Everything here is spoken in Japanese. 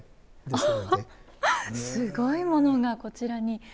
すごいものがこちらに。